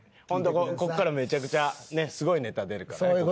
ホントこっからめちゃくちゃすごいネタ出るからね。